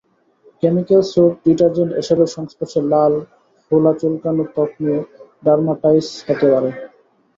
-Chemical soap, detergent এসবের সংস্পর্শে লাল, ফোলা চুলকানো ত্বক নিয়ে ডারমাটাইটিস হতে পারে।